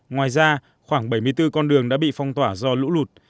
ngoài ra khoảng bảy mươi bốn con đường đã bị phong tỏa do lũ lụt